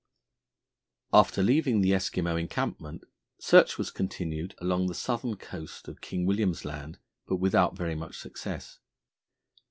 After leaving the Eskimo encampment, search was continued along the southern coast of King William's Land, but without very much success.